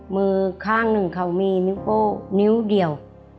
มือข้างหนึ่งเขามีนิ้วเดียว